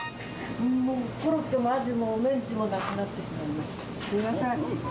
もうコロッケもアジもメンチもなくなってしまいました。